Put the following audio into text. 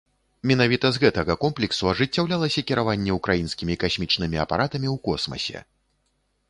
Менавіта з гэтага комплексу ажыццяўлялася кіраванне украінскімі касмічнымі апаратамі ў космасе.